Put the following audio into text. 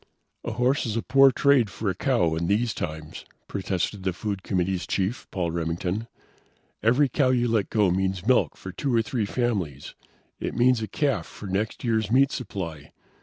"A horse is a poor trade for a cow in these times," protested the food committee's chief, Paul Remington. "Every cow you let go means milk for two or three families. It means a calf for next year's meat supply.